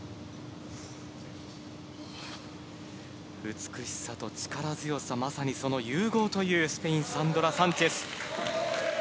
美しさと力強さ、まさにその融合というスペイン、サンドラ・サンチェス。